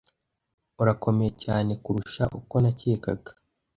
urakomeye cyane kurusha uko nacyekaga